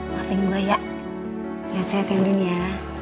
maafin gue ya lihat saya tending ya